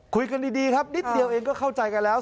คุยกันดีครับนิดเดียวเองก็เข้าใจกันแล้ว